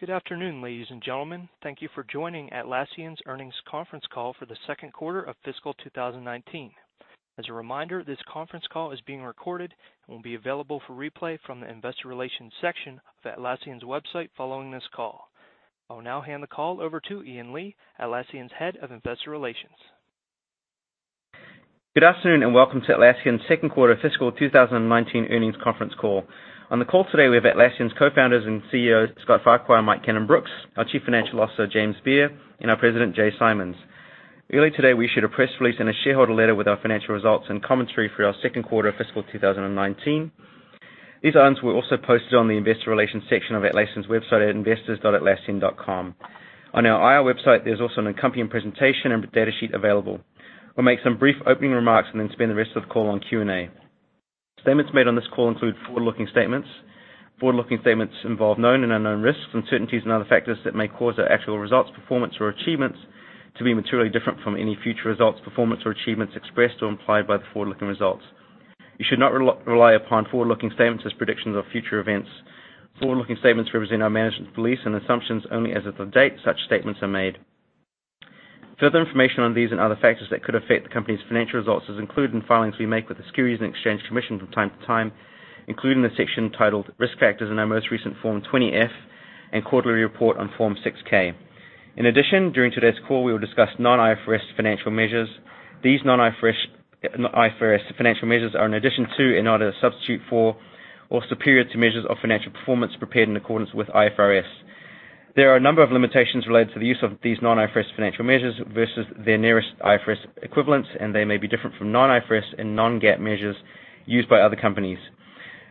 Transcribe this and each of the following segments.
Good afternoon, ladies and gentlemen. Thank you for joining Atlassian's earnings conference call for the second quarter of fiscal 2019. As a reminder, this conference call is being recorded and will be available for replay from the investor relations section of Atlassian's website following this call. I will now hand the call over to Ian Lee, Atlassian's Head of Investor Relations. Good afternoon. Welcome to Atlassian's second quarter fiscal 2019 earnings conference call. On the call today, we have Atlassian's Co-Founders and Co-CEOs, Scott Farquhar and Mike Cannon-Brookes, our Chief Financial Officer, James Beer, and our President, Jay Simons. Earlier today, we issued a press release and a shareholder letter with our financial results and commentary for our second quarter of fiscal 2019. These items were also posted on the investor relations section of Atlassian's website at investors.atlassian.com. On our IR website, there's also an accompanying presentation and data sheet available. We'll make some brief opening remarks and then spend the rest of the call on Q&A. Statements made on this call include forward-looking statements. Forward-looking statements involve known and unknown risks, uncertainties, and other factors that may cause our actual results, performance, or achievements to be materially different from any future results, performance, or achievements expressed or implied by the forward-looking results. You should not rely upon forward-looking statements as predictions of future events. Forward-looking statements represent our management's beliefs and assumptions only as of the date such statements are made. Further information on these and other factors that could affect the company's financial results is included in filings we make with the Securities and Exchange Commission from time to time, including the section titled Risk Factors in our most recent Form 20-F and quarterly report on Form 6-K. In addition, during today's call, we will discuss non-IFRS financial measures. These non-IFRS financial measures are in addition to, and not a substitute for, or superior to measures of financial performance prepared in accordance with IFRS. There are a number of limitations related to the use of these non-IFRS financial measures versus their nearest IFRS equivalents, and they may be different from non-IFRS and non-GAAP measures used by other companies.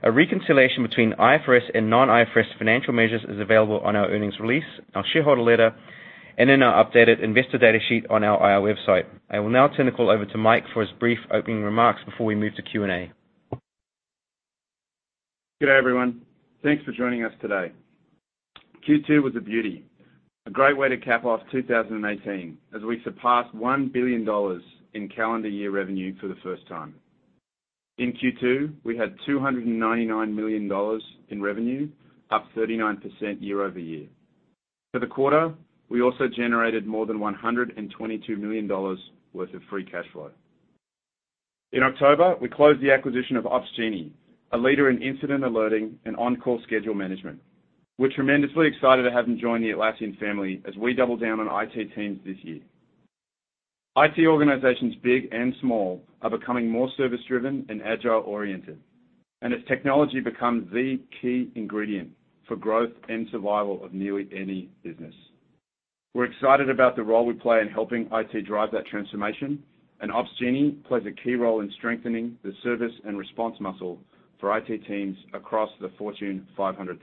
A reconciliation between IFRS and non-IFRS financial measures is available on our earnings release, our shareholder letter, and in our updated investor data sheet on our IR website. I will now turn the call over to Mike for his brief opening remarks before we move to Q&A. Good day, everyone. Thanks for joining us today. Q2 was a beauty. A great way to cap off 2018, as we surpassed $1 billion in calendar year revenue for the first time. In Q2, we had $299 million in revenue, up 39% year-over-year. For the quarter, we also generated more than $122 million worth of free cash flow. In October, we closed the acquisition of Opsgenie, a leader in incident alerting and on-call schedule management. We're tremendously excited to have them join the Atlassian family as we double down on IT teams this year. IT organizations big and small are becoming more service driven and agile oriented. As technology becomes the key ingredient for growth and survival of nearly any business. We're excited about the role we play in helping IT drive that transformation. Opsgenie plays a key role in strengthening the service and response muscle for IT teams across the Fortune 500.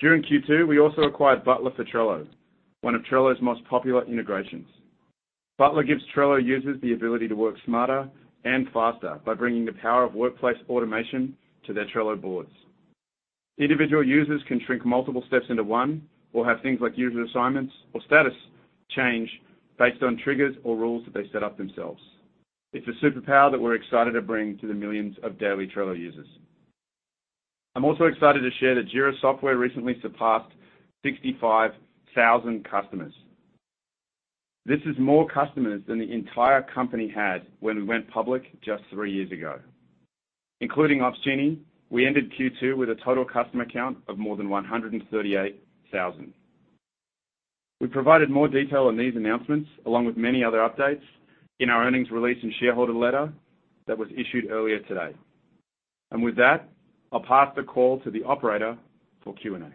During Q2, we also acquired Butler for Trello, one of Trello's most popular integrations. Butler gives Trello users the ability to work smarter and faster by bringing the power of workplace automation to their Trello boards. Individual users can shrink multiple steps into one or have things like user assignments or status change based on triggers or rules that they set up themselves. It's a superpower that we're excited to bring to the millions of daily Trello users. I'm also excited to share that Jira Software recently surpassed 65,000 customers. This is more customers than the entire company had when we went public just three years ago. Including Opsgenie, we ended Q2 with a total customer count of more than 138,000. We provided more detail on these announcements, along with many other updates in our earnings release and shareholder letter that was issued earlier today. With that, I'll pass the call to the operator for Q&A.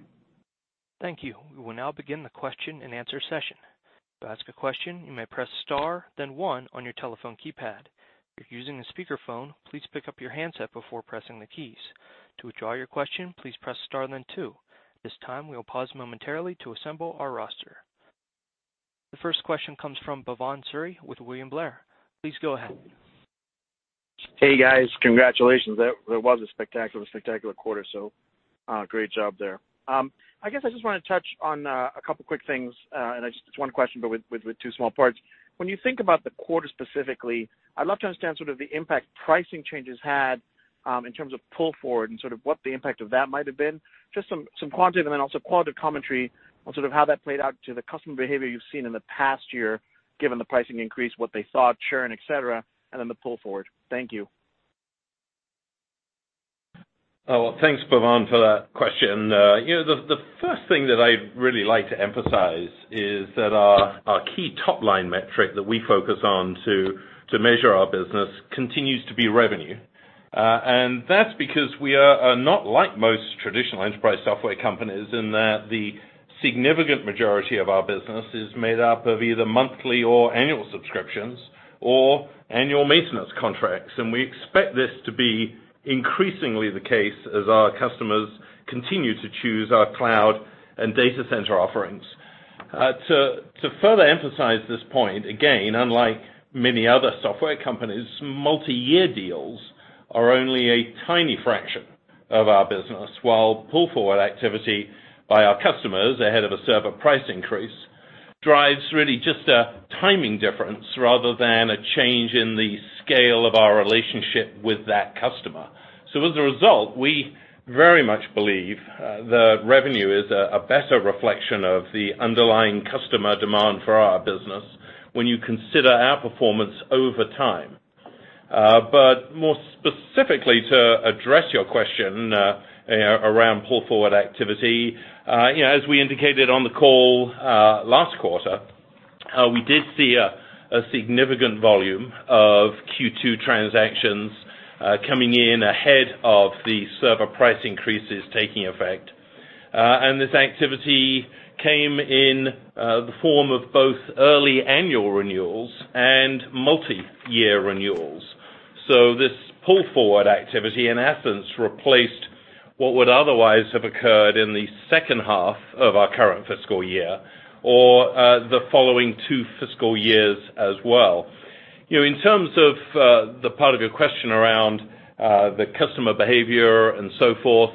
Thank you. We will now begin the question-and-answer session. To ask a question, you may press star then one on your telephone keypad. If you're using a speakerphone, please pick up your handset before pressing the keys. To withdraw your question, please press star then two. This time, we will pause momentarily to assemble our roster. The first question comes from Bhavan Suri with William Blair. Please go ahead. Hey, guys. Congratulations. That was a spectacular quarter, so great job there. I guess I just want to touch on a couple of quick things, and it's one question, but with two small parts. When you think about the quarter specifically, I'd love to understand sort of the impact pricing changes had, in terms of pull forward and sort of what the impact of that might have been. Just some quantitative and then also qualitative commentary on sort of how that played out to the customer behavior you've seen in the past year, given the pricing increase, what they saw, churn, et cetera, and then the pull forward. Thank you. Oh, thanks, Bhavan, for that question. The first thing that I'd really like to emphasize is that our key top-line metric that we focus on to measure our business continues to be revenue. That's because we are not like most traditional enterprise software companies in that the significant majority of our business is made up of either monthly or annual subscriptions or annual maintenance contracts, and we expect this to be increasingly the case as our customers continue to choose our cloud and Data Center offerings. To further emphasize this point, again, unlike many other software companies, multi-year deals are only a tiny fraction of our business. While pull-forward activity by our customers ahead of a server price increase Drives really just a timing difference rather than a change in the scale of our relationship with that customer. As a result, we very much believe the revenue is a better reflection of the underlying customer demand for our business when you consider our performance over time. More specifically, to address your question around pull-forward activity. As we indicated on the call last quarter, we did see a significant volume of Q2 transactions coming in ahead of the server price increases taking effect. This activity came in the form of both early annual renewals and multiyear renewals. This pull-forward activity, in essence, replaced what would otherwise have occurred in the second half of our current fiscal year or the following two fiscal years as well. In terms of the part of your question around the customer behavior and so forth.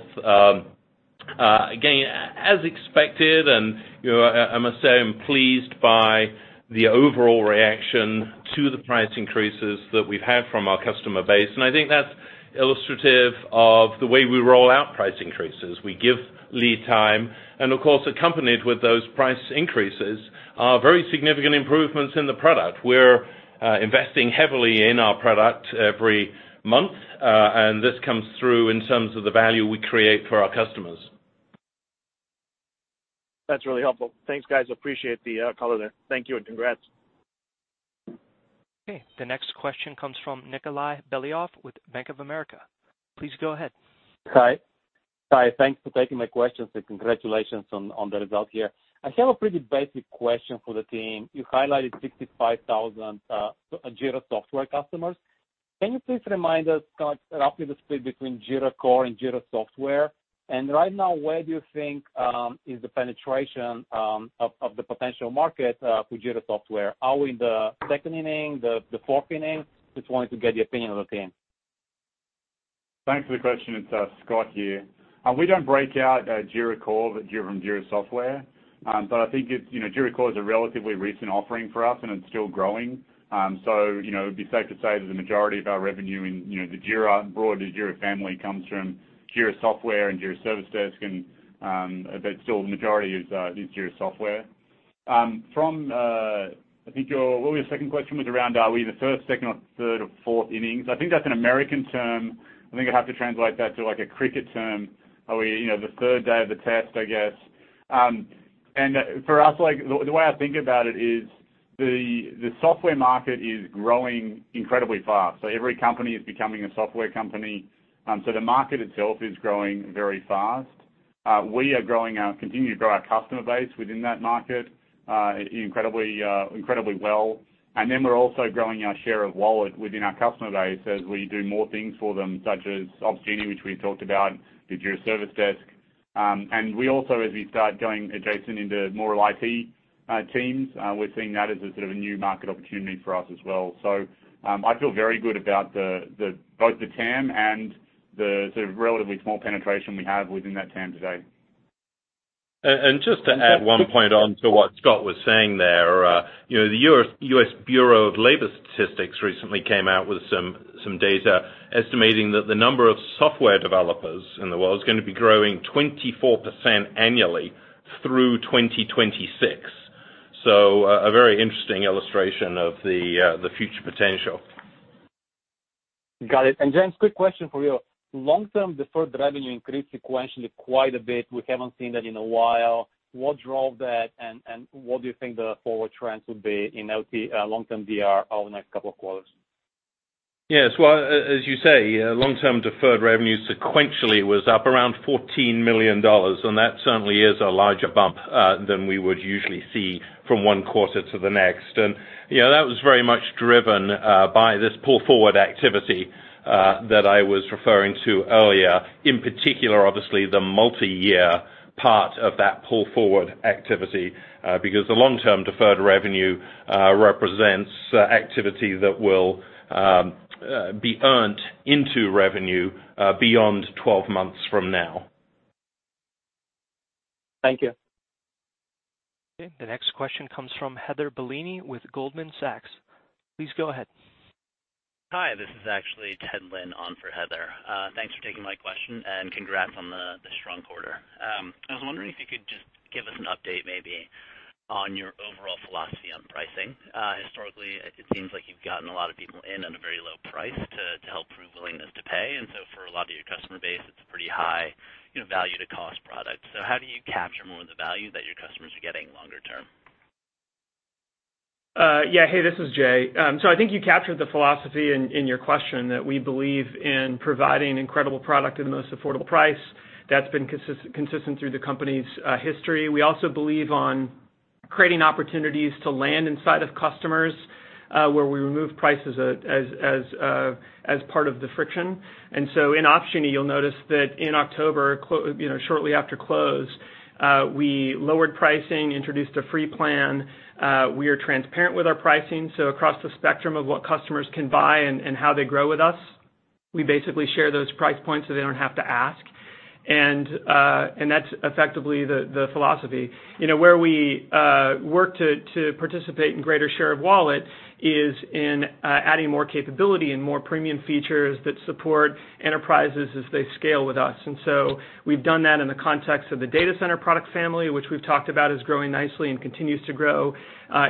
Again, as expected, I must say, I'm pleased by the overall reaction to the price increases that we've had from our customer base, I think that's illustrative of the way we roll out price increases. We give lead time, of course, accompanied with those price increases are very significant improvements in the product. We're investing heavily in our product every month, this comes through in terms of the value we create for our customers. That's really helpful. Thanks, guys. Appreciate the color there. Thank you, and congrats. Okay. The next question comes from Nikolay Beliov with Bank of America. Please go ahead. Hi. Thanks for taking my question, and congratulations on the result here. I have a pretty basic question for the team. You highlighted 65,000 Jira Software customers. Can you please remind us, Scott, roughly the split between Jira Core and Jira Software? And right now, where do you think is the penetration of the potential market for Jira Software? Are we in the second inning, the fourth inning? Just wanted to get your opinion on the team. Thanks for the question. It's Scott here. We don't break out Jira Core from Jira Software. I think Jira Core is a relatively recent offering for us, and it's still growing. It'd be safe to say that the majority of our revenue in the broader Jira family comes from Jira Software and Jira Service Desk, but still the majority is Jira Software. What was your second question, was around are we the first, second or third or fourth innings? I think that's an American term. I think I'd have to translate that to like a cricket term. Are we the third day of the test, I guess? For us, the way I think about it is the software market is growing incredibly fast. Every company is becoming a software company. The market itself is growing very fast. We are continuing to grow our customer base within that market incredibly well. Then we're also growing our share of wallet within our customer base as we do more things for them, such as Opsgenie, which we talked about, the Jira Service Desk. We also, as we start going adjacent into more IT teams, we're seeing that as a sort of a new market opportunity for us as well. I feel very good about both the TAM and the sort of relatively small penetration we have within that TAM today. Just to add one point on to what Scott was saying there. The US Bureau of Labor Statistics recently came out with some data estimating that the number of software developers in the world is going to be growing 24% annually through 2026. A very interesting illustration of the future potential. Got it. James, quick question for you. Long-term deferred revenue increased sequentially quite a bit. We haven't seen that in a while. What drove that, and what do you think the forward trends would be in long-term DR over the next couple of quarters? Yes. Well, as you say, long-term deferred revenue sequentially was up around $14 million, and that certainly is a larger bump than we would usually see from one quarter to the next. That was very much driven by this pull-forward activity that I was referring to earlier. In particular, obviously, the multi-year part of that pull-forward activity. The long-term deferred revenue represents activity that will be earned into revenue beyond 12 months from now. Thank you. The next question comes from Heather Bellini with Goldman Sachs. Please go ahead. Hi, this is actually Ted Lin on for Heather. Thanks for taking my question, and congrats on the strong quarter. I was wondering if you could just give us an update maybe on your overall philosophy on pricing. Historically, it seems like you've gotten a lot of people in at a very low price to help prove willingness to pay. For a lot of your customer base, it's a pretty high value to cost product. How do you capture more of the value that your customers are getting longer term? Yeah. Hey, this is Jay. I think you captured the philosophy in your question that we believe in providing incredible product at the most affordable price. That's been consistent through the company's history. We also believe on creating opportunities to land inside of customers, where we remove prices as part of the friction. In Opsgenie, you'll notice that in October, shortly after close, we lowered pricing, introduced a free plan. We are transparent with our pricing, so across the spectrum of what customers can buy and how they grow with us. We basically share those price points so they don't have to ask. That's effectively the philosophy. Where we work to participate in greater share of wallet is in adding more capability and more premium features that support enterprises as they scale with us. We've done that in the context of the Data Center product family, which we've talked about is growing nicely and continues to grow.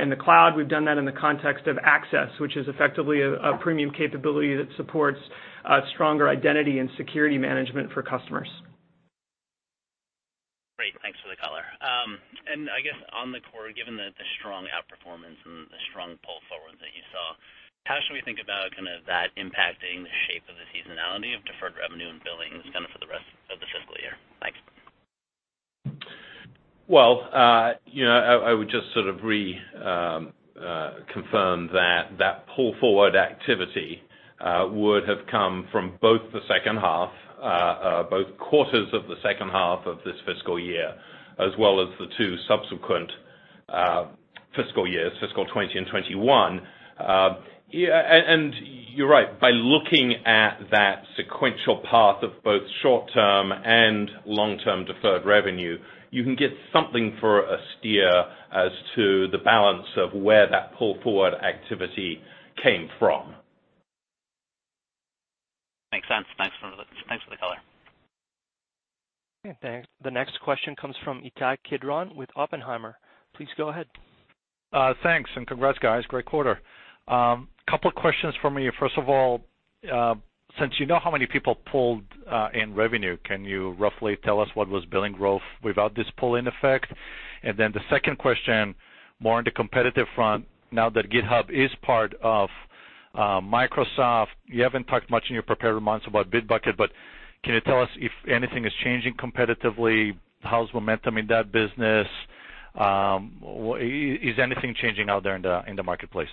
In the cloud, we've done that in the context of Access, which is effectively a premium capability that supports stronger identity and security management for customers. Great, thanks for the color. I guess on the core, given that the strong outperformance and the strong pull forwards that you saw, how should we think about that impacting the shape of the seasonality of deferred revenue and billings for the rest of the fiscal year? Thanks. I would just sort of reconfirm that pull-forward activity would have come from both the second half, both quarters of the second half of this fiscal year, as well as the two subsequent fiscal years, fiscal 2020 and 2021. You're right, by looking at that sequential path of both short-term and long-term deferred revenue, you can get something for a steer as to the balance of where that pull-forward activity came from. Makes sense. Thanks for the color. Okay, thanks. The next question comes from Ittai Kidron with Oppenheimer. Please go ahead. Thanks, congrats, guys. Great quarter. Couple of questions for me. First of all, since you know how many people pulled in revenue, can you roughly tell us what was billing growth without this pull-in effect? The second question, more on the competitive front, now that GitHub is part of Microsoft, you haven't talked much in your prepared remarks about Bitbucket, but can you tell us if anything is changing competitively? How's momentum in that business? Is anything changing out there in the marketplace?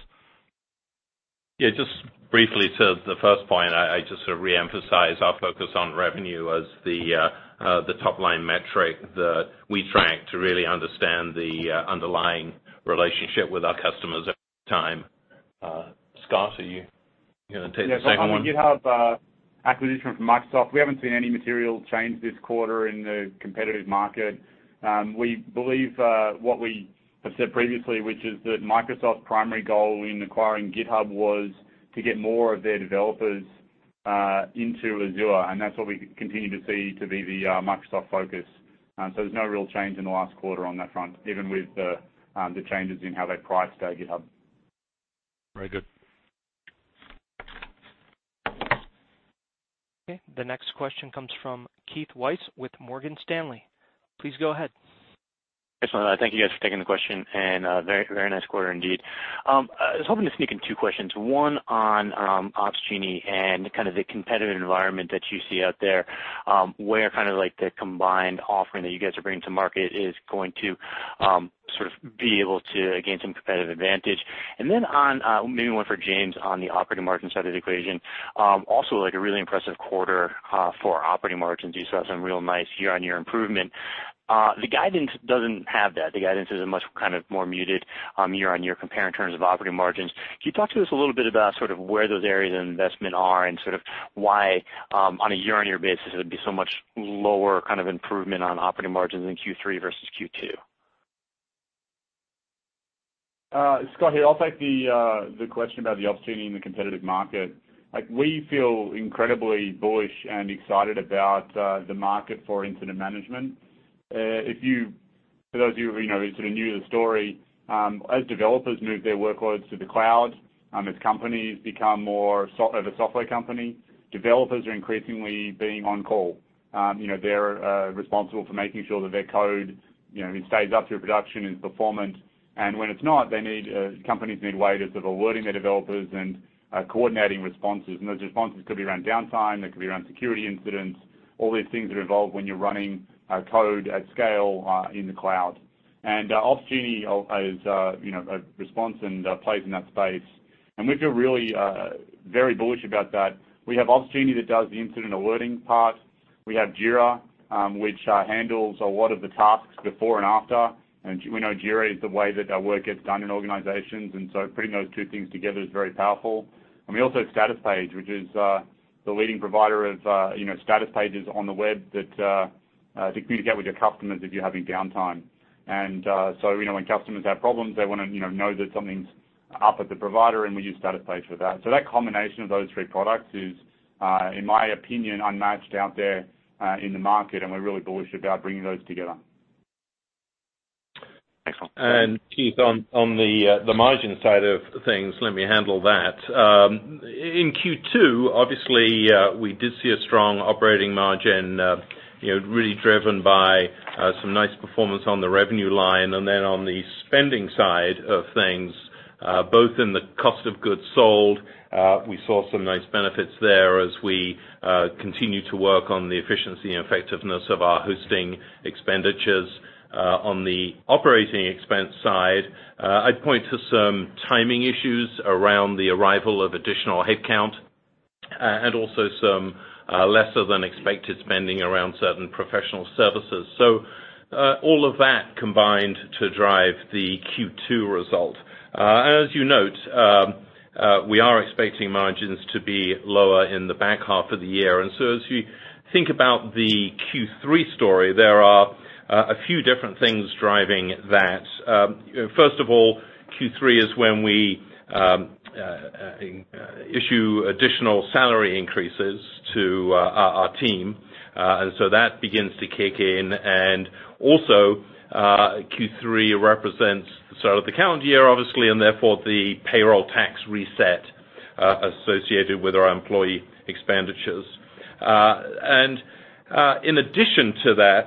Yeah, just briefly to the first point, I just sort of reemphasize our focus on revenue as the top-line metric that we track to really understand the underlying relationship with our customers over time. Scott, are you going to take the second one? Yeah. On the GitHub acquisition from Microsoft, we haven't seen any material change this quarter in the competitive market. We believe what we have said previously, which is that Microsoft's primary goal in acquiring GitHub was to get more of their developers into Azure, that's what we continue to see to be the Microsoft focus. There's no real change in the last quarter on that front, even with the changes in how they priced their GitHub. Very good. Okay. The next question comes from Keith Weiss with Morgan Stanley. Please go ahead. Excellent. Thank you guys for taking the question, and very nice quarter indeed. I was hoping to sneak in two questions, one on Opsgenie and kind of the competitive environment that you see out there, where kind of like the combined offering that you guys are bringing to market is going to sort of be able to gain some competitive advantage. Then on maybe one for James on the operating margin side of the equation. Also like a really impressive quarter for operating margins. You saw some real nice year-on-year improvement. The guidance doesn't have that. The guidance is a much kind of more muted on year-on-year compare in terms of operating margins. Can you talk to us a little bit about sort of where those areas of investment are and sort of why, on a year-on-year basis, it would be so much lower kind of improvement on operating margins in Q3 versus Q2? Scott here. I'll take the question about the Opsgenie in the competitive market. We feel incredibly bullish and excited about the market for incident management. For those of you who sort of new to the story, as developers move their workloads to the cloud, as companies become more of a software company, developers are increasingly being on call. They're responsible for making sure that their code stays up through production and is performant. When it's not, companies need ways of sort of alerting their developers and coordinating responses. Those responses could be around downtime, they could be around security incidents, all these things that are involved when you're running code at scale in the cloud. Opsgenie is a response and plays in that space. We feel really very bullish about that. We have Opsgenie that does the incident alerting part. We have Jira, which handles a lot of the tasks before and after. We know Jira is the way that work gets done in organizations, putting those two things together is very powerful. We also have Statuspage, which is the leading provider of status pages on the web to communicate with your customers if you're having downtime. When customers have problems, they want to know that something's up with the provider, and we use Statuspage for that. That combination of those three products is, in my opinion, unmatched out there in the market, and we're really bullish about bringing those together. Excellent. Keith, on the margin side of things, let me handle that. In Q2, obviously, we did see a strong operating margin really driven by some nice performance on the revenue line. On the spending side of things, both in the cost of goods sold, we saw some nice benefits there as we continue to work on the efficiency and effectiveness of our hosting expenditures. On the operating expense side, I'd point to some timing issues around the arrival of additional headcount, and also some lesser than expected spending around certain professional services. All of that combined to drive the Q2 result. As you note, we are expecting margins to be lower in the back half of the year. As you think about the Q3 story, there are a few different things driving that. First of all, Q3 is when we issue additional salary increases to our team. That begins to kick in. Also, Q3 represents the start of the calendar year, obviously, and therefore the payroll tax reset associated with our employee expenditures. In addition to that,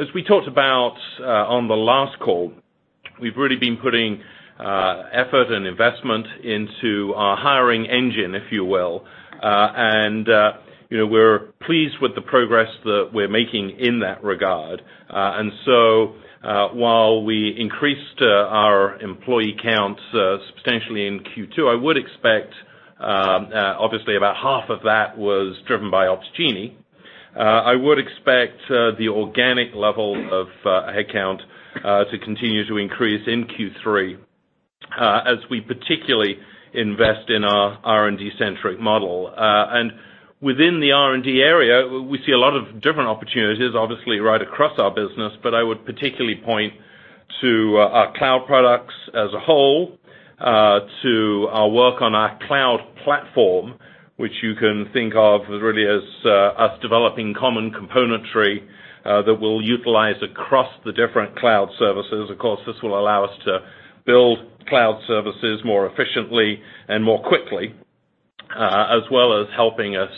as we talked about on the last call, we've really been putting effort and investment into our hiring engine, if you will. We're pleased with the progress that we're making in that regard. While we increased our employee count substantially in Q2, obviously about half of that was driven by Opsgenie. I would expect the organic level of headcount to continue to increase in Q3 as we particularly invest in our R&D-centric model. Within the R&D area, we see a lot of different opportunities, obviously, right across our business. I would particularly point to our cloud products as a whole, to our work on our cloud platform, which you can think of really as us developing common componentry that we'll utilize across the different cloud services. Of course, this will allow us to build cloud services more efficiently and more quickly, as well as helping us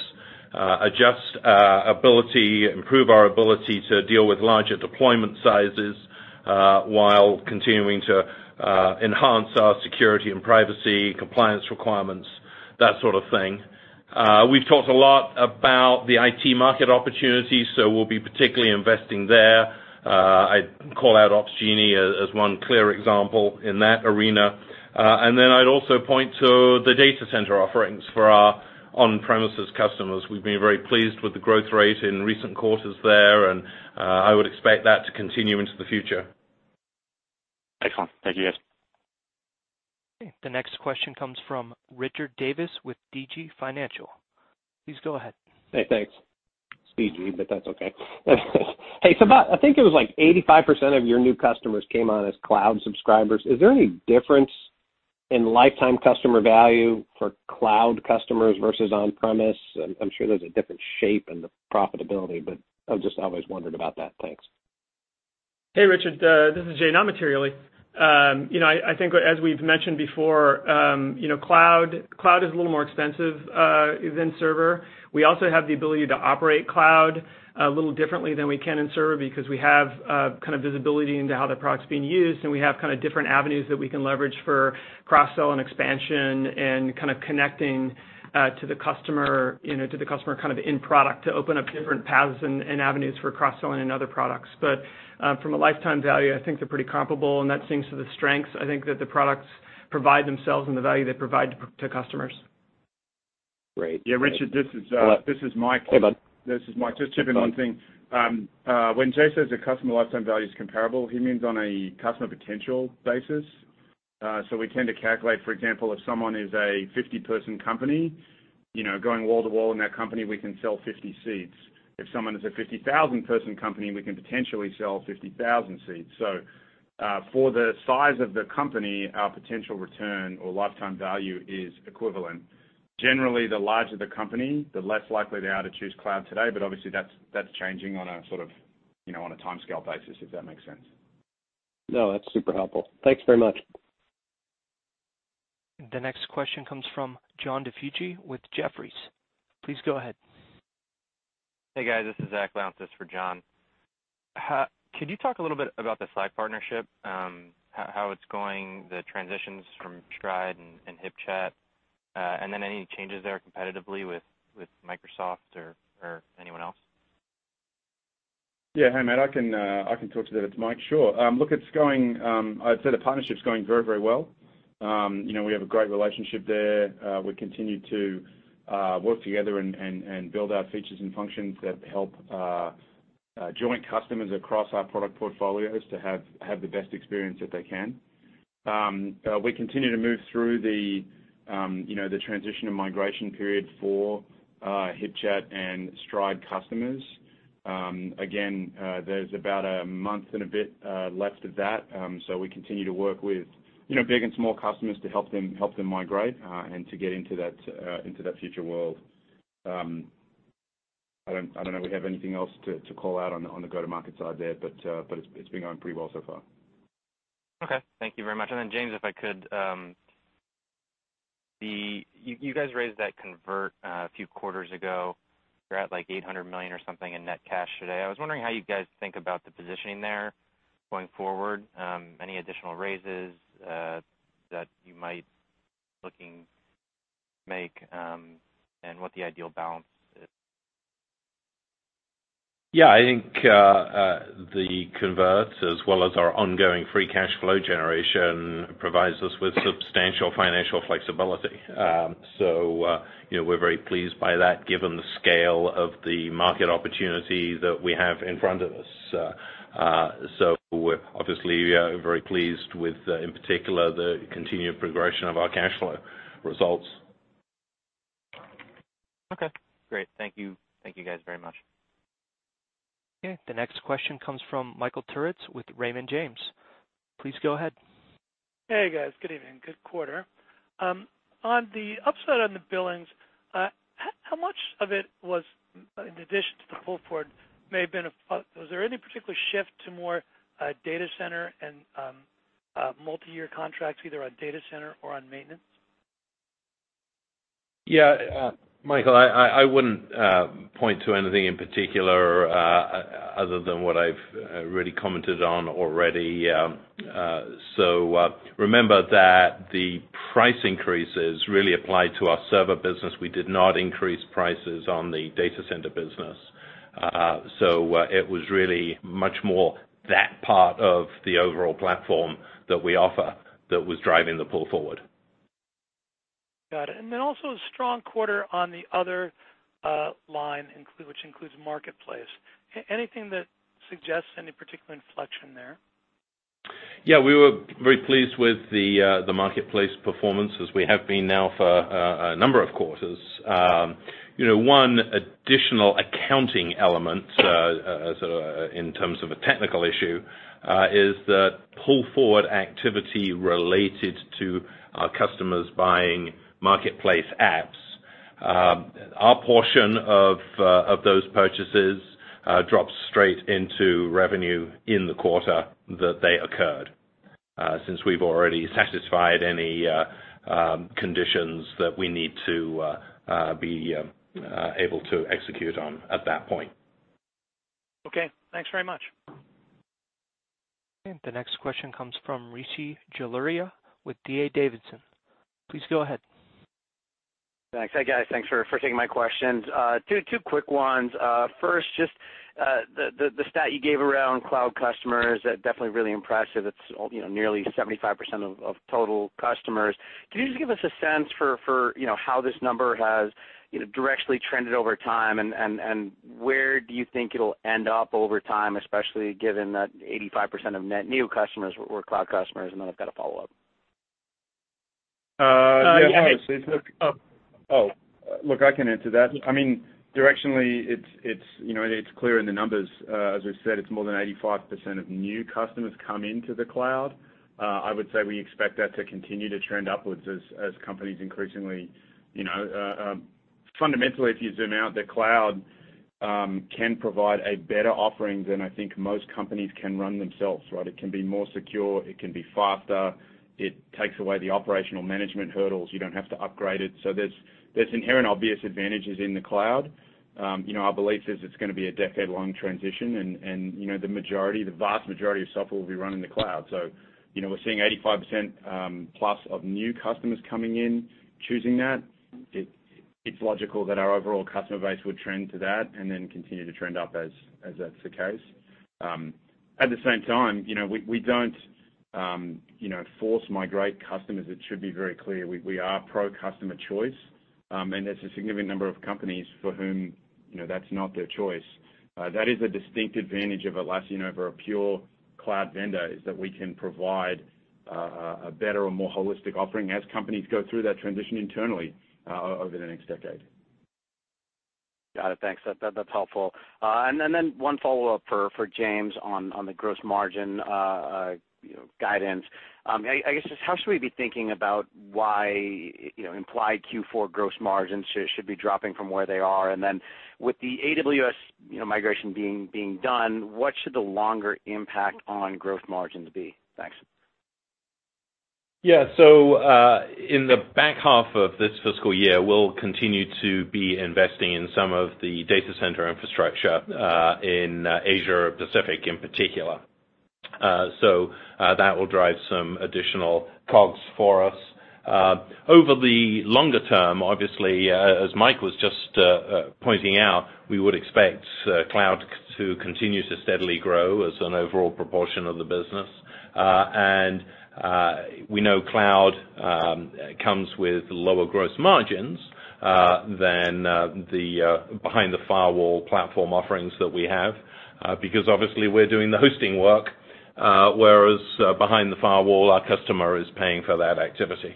adjust our ability, improve our ability to deal with larger deployment sizes while continuing to enhance our security and privacy compliance requirements, that sort of thing. We've talked a lot about the IT market opportunities. We'll be particularly investing there. I'd call out Opsgenie as one clear example in that arena. I'd also point to the Data Center offerings for our on-premises customers. We've been very pleased with the growth rate in recent quarters there, and I would expect that to continue into the future. Excellent. Thank you, guys. The next question comes from Richard Davis with DG Financial. Please go ahead. Hey, thanks. It's CG, but that's okay. I think it was like 85% of your new customers came on as cloud subscribers. Is there any difference in lifetime customer value for cloud customers versus on-premise? I'm sure there's a different shape in the profitability, but I've just always wondered about that. Thanks. Hey, Richard. This is Jay. Not materially. I think as we've mentioned before, cloud is a little more expensive than server. We also have the ability to operate cloud a little differently than we can in server because we have visibility into how the product's being used, and we have different avenues that we can leverage for cross-sell and expansion and connecting to the customer in product to open up different paths and avenues for cross-selling and other products. From a lifetime value, I think they're pretty comparable, and that speaks to the strengths I think that the products provide themselves and the value they provide to customers. Yeah, Richard, this is Mike. Hey, bud. This is Mike. Just to add one thing. When Jay says the customer lifetime value is comparable, he means on a customer potential basis. We tend to calculate, for example, if someone is a 50-person company, going wall to wall in that company, we can sell 50 seats. If someone is a 50,000-person company, we can potentially sell 50,000 seats. For the size of the company, our potential return or lifetime value is equivalent. Generally, the larger the company, the less likely they are to choose cloud today. Obviously, that's changing on a timescale basis, if that makes sense. No, that's super helpful. Thanks very much. The next question comes from John DiFucci with Jefferies. Please go ahead. Hey, guys. This is Zach for John. Could you talk a little bit about the Slack partnership, how it's going, the transitions from Stride and HipChat, and then any changes there competitively with Microsoft or anyone else? Yeah. Hey, mate, I can talk to that. It's Mike. Sure. Look, I'd say the partnership's going very well. We have a great relationship there. We continue to work together and build our features and functions that help joint customers across our product portfolios to have the best experience that they can. We continue to move through the transition and migration period for HipChat and Stride customers. Again, there's about a month and a bit left of that. We continue to work with big and small customers to help them migrate and to get into that future world. I don't know if we have anything else to call out on the go-to-market side there, but it's been going pretty well so far. Okay. Thank you very much. James, if I could, you guys raised that convert a few quarters ago. You're at like $800 million or something in net cash today. I was wondering how you guys think about the positioning there going forward. Any additional raises that you might looking make, what the ideal balance is? Yeah, I think the converts as well as our ongoing free cash flow generation provides us with substantial financial flexibility. We're very pleased by that, given the scale of the market opportunity that we have in front of us. We're obviously very pleased with, in particular, the continued progression of our cash flow results. Okay, great. Thank you guys very much. Okay, the next question comes from Michael Turits with Raymond James. Please go ahead. Hey, guys. Good evening, good quarter. On the upside on the billings, how much of it was in addition to the pull forward may have been, was there any particular shift to more Data Center and multi-year contracts, either on Data Center or on maintenance? Yeah. Michael, I wouldn't point to anything in particular, other than what I've really commented on already. Remember that the price increases really applied to our server business. We did not increase prices on the Data Center business. It was really much more that part of the overall platform that we offer that was driving the pull forward. Got it. Also a strong quarter on the other line, which includes Atlassian Marketplace. Anything that suggests any particular inflection there? Yeah, we were very pleased with the Atlassian Marketplace performance as we have been now for a number of quarters. One additional accounting element, in terms of a technical issue, is that pull forward activity related to our customers buying Atlassian Marketplace apps. Our portion of those purchases drops straight into revenue in the quarter that they occurred, since we've already satisfied any conditions that we need to be able to execute on at that point. Okay, thanks very much. Okay, the next question comes from Rishi Jaluria with D.A. Davidson. Please go ahead. Thanks. Hey, guys. Thanks for taking my questions. Two quick ones. First, just the stat you gave around cloud customers, definitely really impressive. It's nearly 75% of total customers. Can you just give us a sense for how this number has directly trended over time, and where do you think it'll end up over time, especially given that 85% of net new customers were cloud customers? Then I've got a follow-up. Yeah. Oh, look, I can answer that. Directionally, it's clear in the numbers. As we've said, it's more than 85% of new customers come into the cloud. I would say we expect that to continue to trend upwards as companies increasingly Fundamentally, if you zoom out, the cloud can provide a better offering than I think most companies can run themselves. It can be more secure, it can be faster, it takes away the operational management hurdles. You don't have to upgrade it. There's inherent obvious advantages in the cloud. Our belief is it's going to be a decade-long transition, and the vast majority of software will be run in the cloud. We're seeing 85% plus of new customers coming in choosing that. It's logical that our overall customer base would trend to that and then continue to trend up as that's the case. At the same time, we don't force migrate customers. It should be very clear. We are pro-customer choice, and there's a significant number of companies for whom that's not their choice. That is a distinct advantage of Atlassian over a pure cloud vendor, is that we can provide a better or more holistic offering as companies go through that transition internally over the next decade. Got it. Thanks. That's helpful. Then one follow-up for James on the gross margin guidance. I guess just how should we be thinking about why implied Q4 gross margins should be dropping from where they are? With the AWS migration being done, what should the longer impact on gross margins be? Thanks. In the back half of this fiscal year, we'll continue to be investing in some of the Data Center infrastructure in Asia Pacific in particular. That will drive some additional cogs for us. Over the longer term, obviously, as Mike was just pointing out, we would expect cloud to continue to steadily grow as an overall proportion of the business. We know cloud comes with lower gross margins than the behind the firewall platform offerings that we have. Obviously we're doing the hosting work, whereas behind the firewall, our customer is paying for that activity.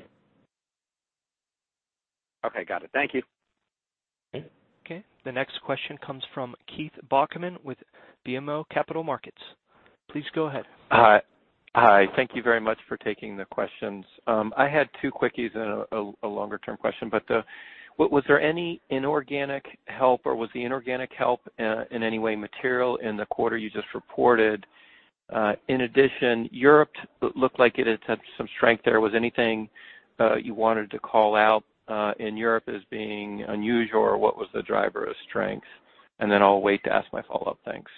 Okay, got it. Thank you. Okay, the next question comes from Keith Bachman with BMO Capital Markets. Please go ahead. Hi. Thank you very much for taking the questions. I had two quickies and a longer-term question. Was there any inorganic help, or was the inorganic help in any way material in the quarter you just reported? In addition, Europe looked like it had some strength there. Was anything you wanted to call out in Europe as being unusual, or what was the driver of strength? I'll wait to ask my follow-up. Thanks.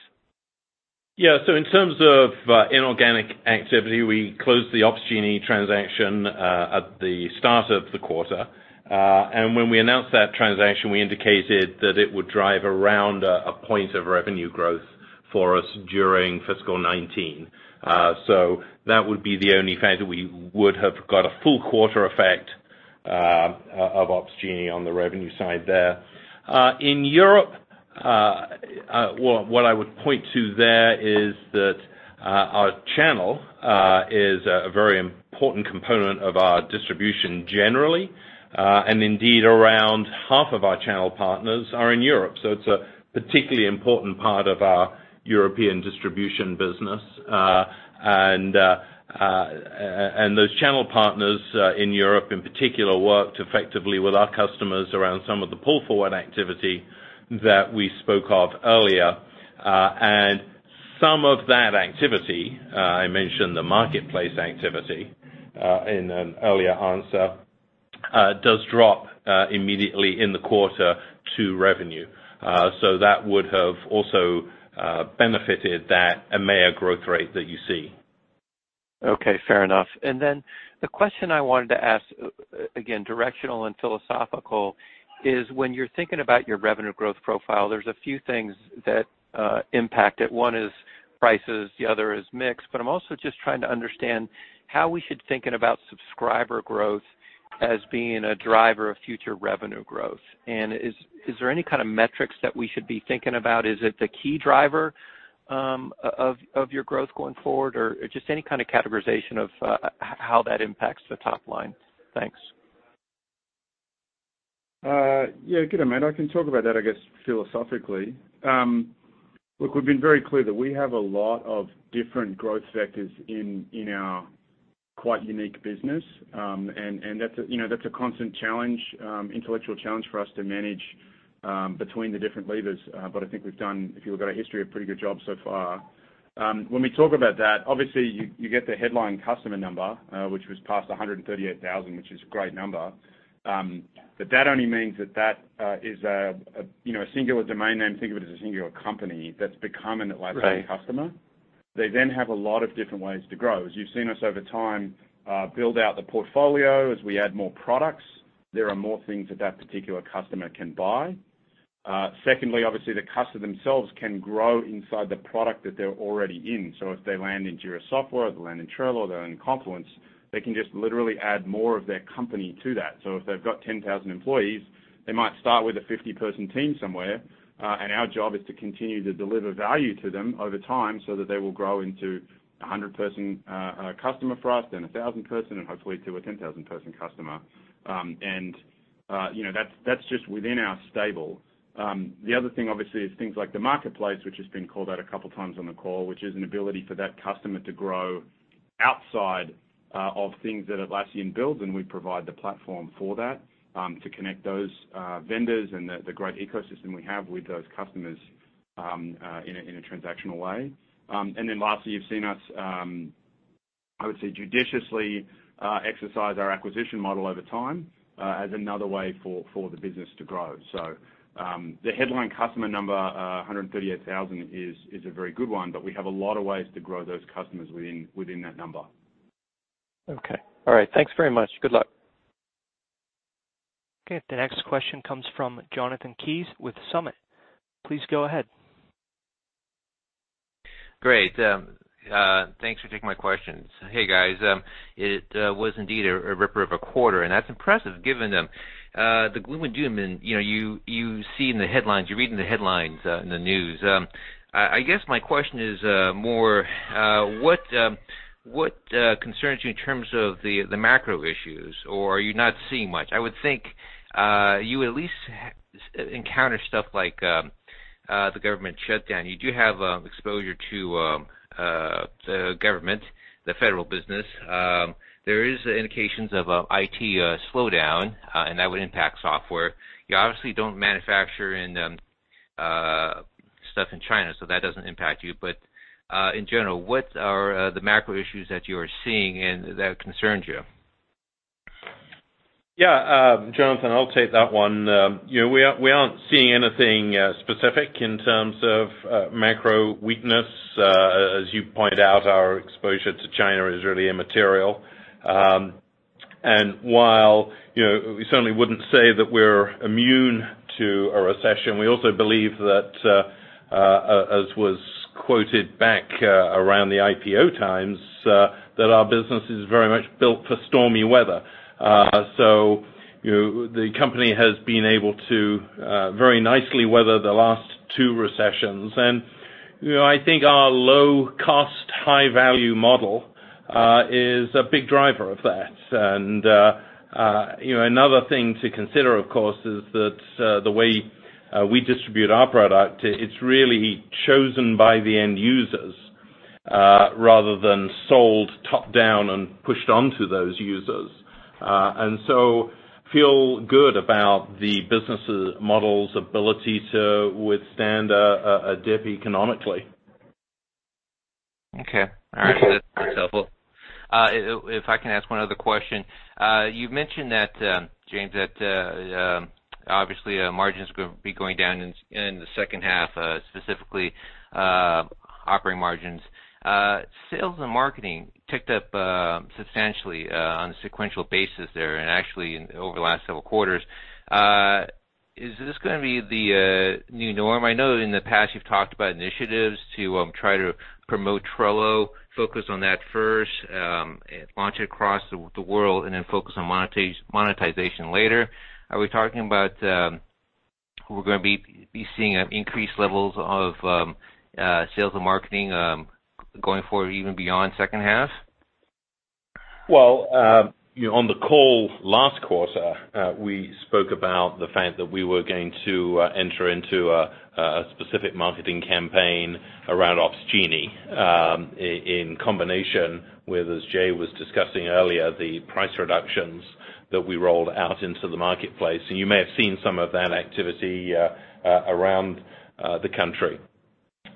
Yeah. In terms of inorganic activity, we closed the Opsgenie transaction at the start of the quarter. When we announced that transaction, we indicated that it would drive around a point of revenue growth for us during fiscal 2019. That would be the only factor. We would have got a full quarter effect of Opsgenie on the revenue side there. In Europe, what I would point to there is that our channel is a very important component of our distribution generally. Indeed, around half of our channel partners are in Europe. It's a particularly important part of our European distribution business. Those channel partners in Europe in particular, worked effectively with our customers around some of the pull-forward activity that we spoke of earlier. Some of that activity, I mentioned the Marketplace activity in an earlier answer, does drop immediately in the quarter to revenue. That would have also benefited that EMEA growth rate that you see. Okay, fair enough. Then the question I wanted to ask, again, directional and philosophical, is when you're thinking about your revenue growth profile, there's a few things that impact it. One is prices, the other is mix. I'm also just trying to understand how we should thinking about subscriber growth as being a driver of future revenue growth. Is there any kind of metrics that we should be thinking about? Is it the key driver of your growth going forward, or just any kind of categorization of how that impacts the top line? Thanks. Yeah. Good, [Amanda]. I can talk about that, I guess, philosophically. Look, we've been very clear that we have a lot of different growth vectors in our quite unique business. That's a constant intellectual challenge for us to manage between the different levers. I think we've done, if you look at our history, a pretty good job so far. When we talk about that, obviously, you get the headline customer number, which was past 138,000, which is a great number. That only means that is a singular domain name, think of it as a singular company that's become an Atlassian customer. They have a lot of different ways to grow. You've seen us over time build out the portfolio. We add more products, there are more things that that particular customer can buy. Secondly, obviously, the customer themselves can grow inside the product that they're already in. If they land in Jira Software, if they land in Trello, they land in Confluence, they can just literally add more of their company to that. If they've got 10,000 employees, they might start with a 50-person team somewhere, and our job is to continue to deliver value to them over time so that they will grow into a 100-person customer for us, then a 1,000-person, and hopefully to a 10,000-person customer. That's just within our stable. The other thing, obviously, is things like the Marketplace, which has been called out a couple of times on the call, which is an ability for that customer to grow outside of things that Atlassian builds, and we provide the platform for that, to connect those vendors and the great ecosystem we have with those customers in a transactional way. Lastly, you've seen us, I would say, judiciously exercise our acquisition model over time as another way for the business to grow. The headline customer number, 138,000, is a very good one, but we have a lot of ways to grow those customers within that number. Okay. All right. Thanks very much. Good luck. Okay, the next question comes from Jonathan Kees with Summit. Please go ahead. Great. Thanks for taking my questions. Hey, guys. It was indeed a ripper of a quarter, That's impressive given the gloom and doom you see in the headlines, you read in the headlines in the news. I guess my question is more what concerns you in terms of the macro issues, Are you not seeing much? I would think you at least encounter stuff like the government shutdown. You do have exposure to the government, the federal business. There is indications of IT slowdown, That would impact software. You obviously don't manufacture stuff in China, so that doesn't impact you. In general, what are the macro issues that you are seeing and that concerns you? Yeah. Jonathan, I'll take that one. We aren't seeing anything specific in terms of macro weakness. As you pointed out, our exposure to China is really immaterial. While we certainly wouldn't say that we're immune to a recession, we also believe that, as was quoted back around the IPO times, that our business is very much built for stormy weather. The company has been able to very nicely weather the last two recessions. I think our low-cost, high-value model is a big driver of that. Another thing to consider, of course, is that the way we distribute our product, it's really chosen by the end users rather than sold top-down and pushed onto those users. Feel good about the business model's ability to withstand a dip economically. Okay. All right. That's helpful. If I can ask one other question. You've mentioned, James, that obviously margins are going to be going down in the second half, specifically operating margins. Sales and marketing ticked up substantially on a sequential basis there and actually over the last several quarters. Is this going to be the new norm? I know in the past you've talked about initiatives to try to promote Trello, focus on that first, launch it across the world, and then focus on monetization later. Are we talking about we're going to be seeing increased levels of sales and marketing going forward, even beyond second half? On the call last quarter, we spoke about the fact that we were going to enter into a specific marketing campaign around Opsgenie, in combination with, as Jay was discussing earlier, the price reductions that we rolled out into the marketplace. You may have seen some of that activity around the country.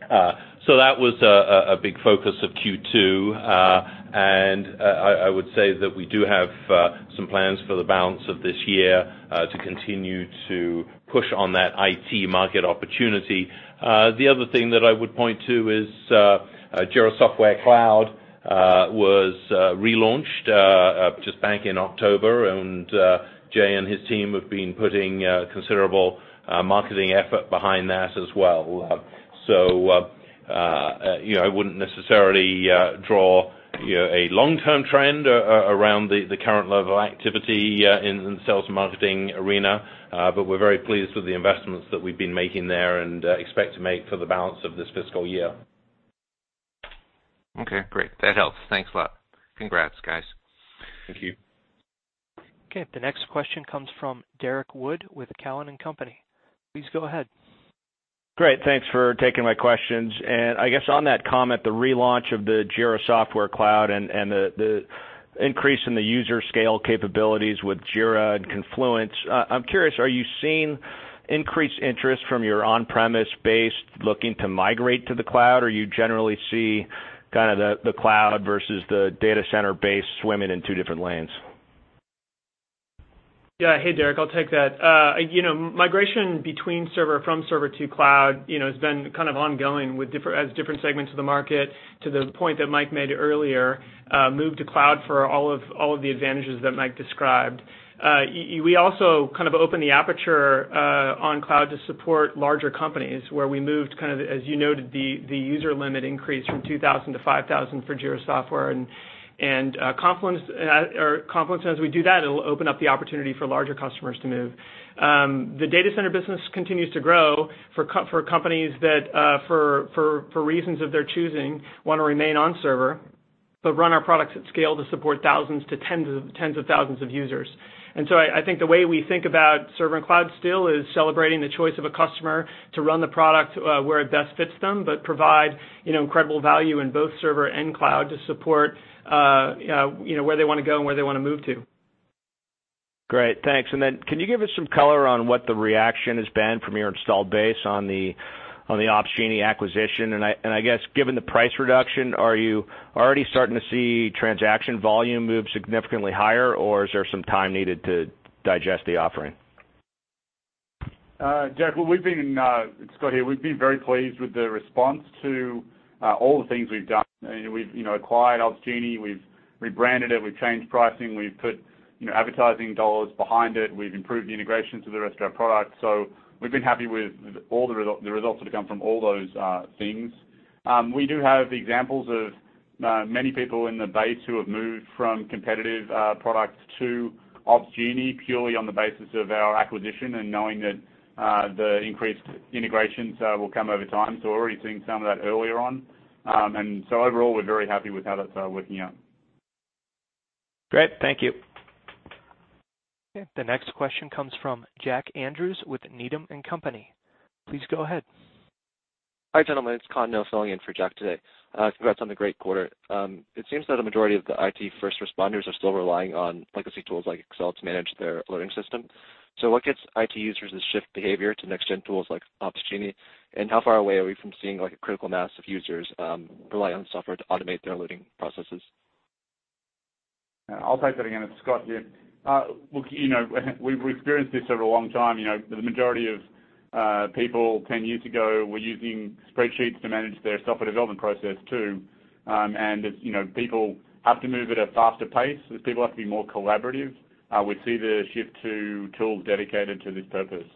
That was a big focus of Q2. I would say that we do have some plans for the balance of this year to continue to push on that IT market opportunity. The other thing that I would point to is Jira Software Cloud was relaunched just back in October, and Jay and his team have been putting considerable marketing effort behind that as well. I wouldn't necessarily draw a long-term trend around the current level of activity in the sales and marketing arena. We're very pleased with the investments that we've been making there and expect to make for the balance of this fiscal year. Okay, great. That helps. Thanks a lot. Congrats, guys. Thank you. Okay, the next question comes from Derrick Wood with Cowen and Company. Please go ahead. Great. Thanks for taking my questions. I guess on that comment, the relaunch of the Jira Software Cloud and the increase in the user scale capabilities with Jira and Confluence, I'm curious, are you seeing increased interest from your on-premise base looking to migrate to the cloud? Or you generally see kind of the cloud versus the Data Center base swimming in two different lanes? Yeah. Hey, Derrick, I'll take that. Migration between server, from server to cloud has been kind of ongoing as different segments of the market, to the point that Mike made earlier, move to cloud for all of the advantages that Mike described. We also kind of open the aperture on cloud to support larger companies, where we moved kind of, as you noted, the user limit increase from 2,000 to 5,000 for Jira Software. Confluence, as we do that, it'll open up the opportunity for larger customers to move. The Data Center business continues to grow for companies that, for reasons of their choosing, want to remain on server, but run our products at scale to support thousands to tens of thousands of users. I think the way we think about server and cloud still is celebrating the choice of a customer to run the product where it best fits them, but provide incredible value in both server and cloud to support where they want to go and where they want to move to. Great, thanks. Can you give us some color on what the reaction has been from your installed base on the Opsgenie acquisition? I guess given the price reduction, are you already starting to see transaction volume move significantly higher, or is there some time needed to digest the offering? Derrick, it's Scott here. We've been very pleased with the response to all the things we've done. We've acquired Opsgenie, we've rebranded it, we've changed pricing, we've put advertising dollars behind it, we've improved the integration to the rest of our products. We've been happy with the results that have come from all those things. We do have examples of many people in the base who have moved from competitive products to Opsgenie purely on the basis of our acquisition and knowing that the increased integrations will come over time. We're already seeing some of that earlier on. Overall, we're very happy with how that's working out. Great. Thank you. Okay. The next question comes from Jack Andrews with Needham & Company. Please go ahead. Hi, gentlemen. It's Khanh Ngo filling in for Jack today. Congrats on the great quarter. It seems that a majority of the IT first responders are still relying on legacy tools like Excel to manage their alerting system. What gets IT users to shift behavior to next-gen tools like Opsgenie? How far away are we from seeing a critical mass of users rely on software to automate their alerting processes? I'll take that again. It's Scott here. We've experienced this over a long time. The majority of people 10 years ago were using spreadsheets to manage their software development process, too. As people have to move at a faster pace, as people have to be more collaborative, we see the shift to tools dedicated to this purpose.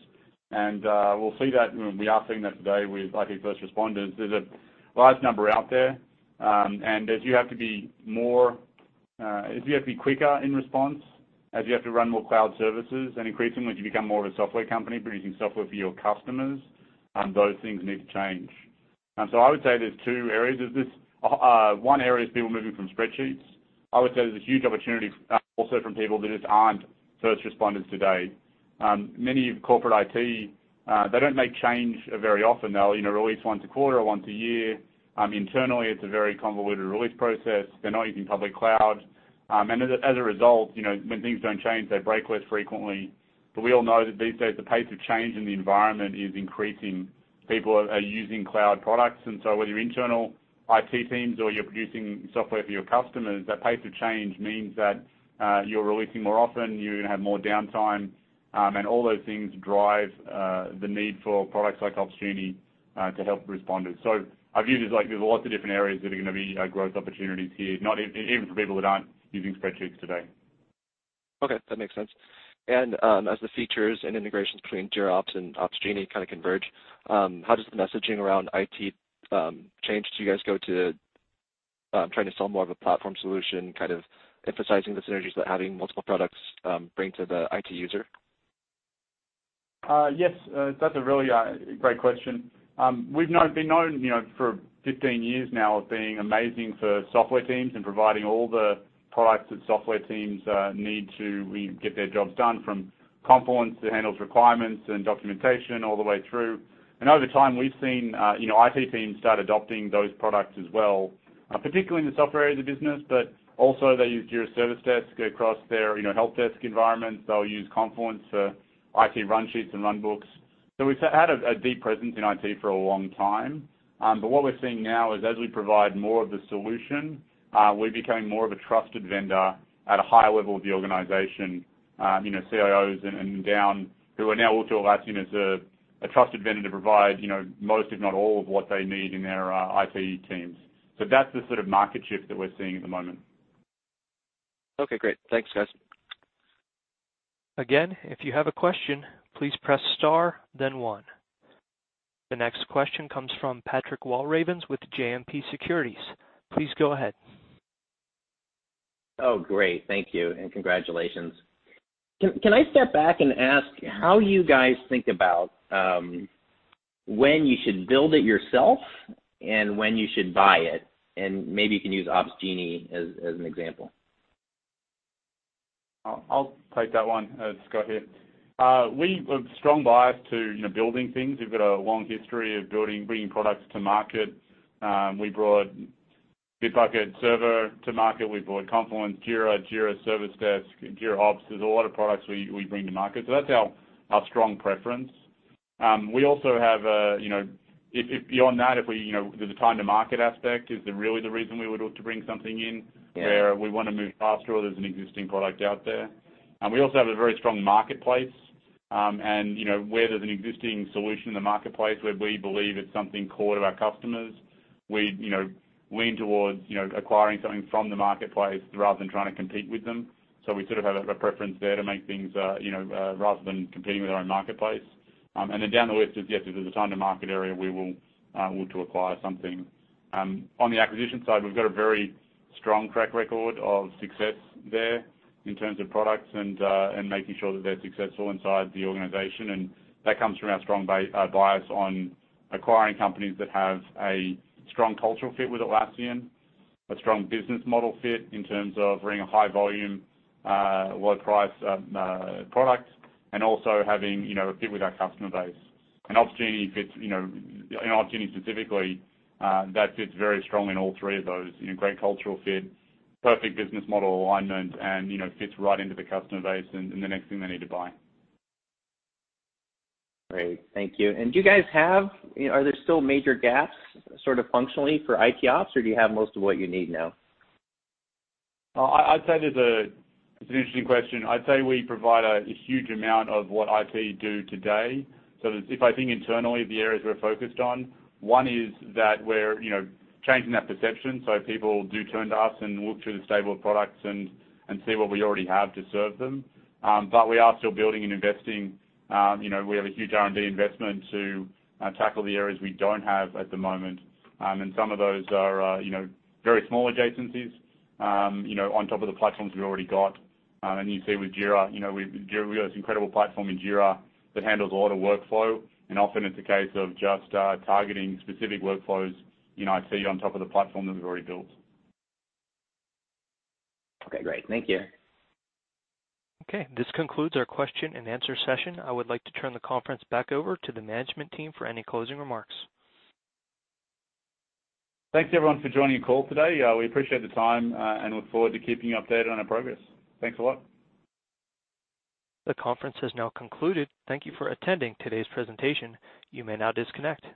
We'll see that, and we are seeing that today with IT first responders. There's a large number out there. As you have to be quicker in response, as you have to run more cloud services and increasingly as you become more of a software company producing software for your customers, those things need to change. I would say there's two areas of this. One area is people moving from spreadsheets. I would say there's a huge opportunity also from people that just aren't first responders today. Many corporate IT, they don't make change very often. They'll release once a quarter or once a year. Internally, it's a very convoluted release process. They're not using public cloud. As a result, when things don't change, they break less frequently. We all know that these days, the pace of change in the environment is increasing. People are using cloud products, whether you're internal IT teams or you're producing software for your customers, that pace of change means that you're releasing more often, you're going to have more downtime, and all those things drive the need for products like Opsgenie to help responders. I view this like there's lots of different areas that are going to be growth opportunities here, even for people that aren't using spreadsheets today. Okay, that makes sense. As the features and integrations between Jira Ops and Opsgenie kind of converge, how does the messaging around IT change? Do you guys go to trying to sell more of a platform solution, kind of emphasizing the synergies that having multiple products bring to the IT user? Yes, that's a really great question. We've been known for 15 years now of being amazing for software teams and providing all the products that software teams need to get their jobs done, from Confluence that handles requirements and documentation all the way through. Over time, we've seen IT teams start adopting those products as well, particularly in the software area of the business, but also they use Jira Service Desk across their help desk environments. They'll use Confluence for IT run sheets and runbooks. We've had a deep presence in IT for a long time. What we're seeing now is as we provide more of the solution, we're becoming more of a trusted vendor at a higher level of the organization, CIOs and down, who are now look to Atlassian as a trusted vendor to provide most, if not all, of what they need in their IT teams. That's the sort of market shift that we're seeing at the moment. Okay, great. Thanks, guys. Again, if you have a question, please press star then one. The next question comes from Patrick Walravens with JMP Securities. Please go ahead. Great. Thank you. Congratulations. Can I step back and ask how you guys think about when you should build it yourselves and when you should buy it. Maybe you can use Opsgenie as an example. I'll take that one. It's Scott here. We have strong bias to building things. We've got a long history of building, bringing products to market. We brought Bitbucket server to market. We brought Confluence, Jira Service Desk, Jira Ops. There's a lot of products we bring to market, so that's our strong preference. Beyond that, if the time to market aspect is really the reason we would look to bring something in where we want to move faster or there's an existing product out there. We also have a very strong marketplace. Where there's an existing solution in the marketplace where we believe it's something core to our customers, we lean towards acquiring something from the marketplace rather than trying to compete with them. We sort of have a preference there to make things rather than competing with our own marketplace. Then down the way, if there's a time to market area, we will look to acquire something. On the acquisition side, we've got a very strong track record of success there in terms of products and making sure that they're successful inside the organization, and that comes from our strong bias on acquiring companies that have a strong cultural fit with Atlassian, a strong business model fit in terms of bringing a high volume, low price product, and also having a fit with our customer base. Opsgenie specifically, that fits very strongly in all three of those. Great cultural fit, perfect business model alignment, and fits right into the customer base and the next thing they need to buy. Great. Thank you. Are there still major gaps sort of functionally for IT ops, or do you have most of what you need now? It's an interesting question. I'd say we provide a huge amount of what IT do today. If I think internally of the areas we're focused on, one is that we're changing that perception so people do turn to us and look through the stable of products and see what we already have to serve them. We are still building and investing. We have a huge R&D investment to tackle the areas we don't have at the moment. Some of those are very small adjacencies on top of the platforms we've already got. You see with Jira, we've got this incredible platform in Jira that handles a lot of workflow, and often it's a case of just targeting specific workflows in IT on top of the platform that we've already built. Okay, great. Thank you. Okay, this concludes our question and answer session. I would like to turn the conference back over to the management team for any closing remarks. Thanks, everyone, for joining the call today. We appreciate the time and look forward to keeping you updated on our progress. Thanks a lot. The conference has now concluded. Thank you for attending today's presentation. You may now disconnect.